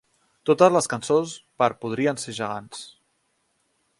Totes les cançons per Podrien Ser Gegants.